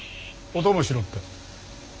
お供しろって。